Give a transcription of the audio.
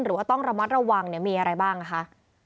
หรือว่าต้องระมัดระวังมีอะไรบ้างนะคะ